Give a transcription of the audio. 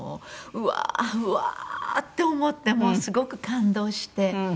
うわー！って思ってもうすごく感動して。